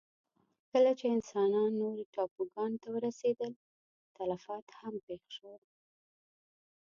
کله چې انسانان نورو ټاپوګانو ته ورسېدل، تلفات هم پېښ شول.